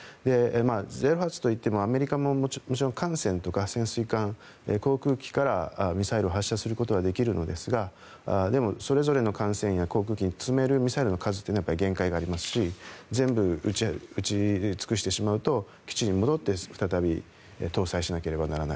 ０発といってもアメリカは、もちろん観戦とか潜水艦、航空機からミサイルを発射することはできるのですがでもそれぞれの艦船や航空機に積めるミサイルの数は限界がありますし全部撃ち尽くしてしまうと基地に戻って再び搭載しなければならない。